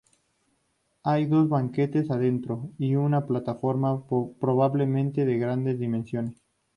Hay dos banquetas adentro, y una plataforma, probablemente de grandes dimensiones.